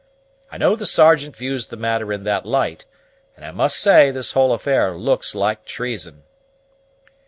I know the Sergeant views the matter in that light; and I must say this whole affair looks like treason."